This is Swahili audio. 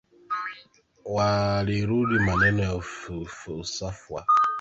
walirudi maeneo ya Usafwa katika mji mkuu wa Utengule Usangu